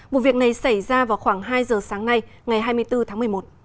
vụ việc này xảy ra vào khoảng hai giờ sáng nay ngày hai mươi bốn tháng một mươi một